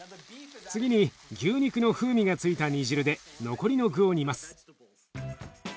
次に牛肉の風味が付いた煮汁で残りの具を煮ます。